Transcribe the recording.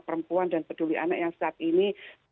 perempuan dan peduli anak yang saat ini